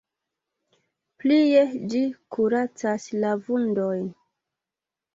Plie ĝi kuracas la vundojn.